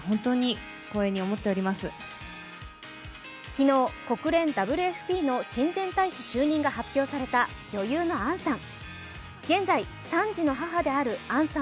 昨日、国連ＷＦＰの親善大使就任が発表された女優の杏さん。